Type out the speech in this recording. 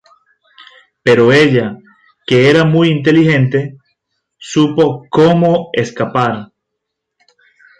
Pero ella, que era muy inteligente, supo cómo escapar.